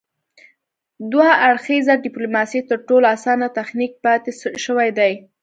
دوه اړخیزه ډیپلوماسي تر ټولو اسانه تخنیک پاتې شوی دی